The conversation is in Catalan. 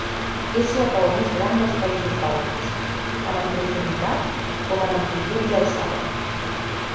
És la cova més gran dels països bàltics, tant en profunditat com en amplitud i alçada.